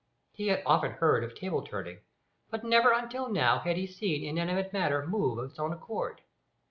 He had often heard of table turning, but never until now had he seen inanimate matter move of its own accord.